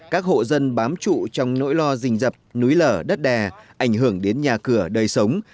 các hộ dân bám trụ trong nỗi lo rình dập núi lở đất đè ảnh hưởng đến nhà cửa đời sống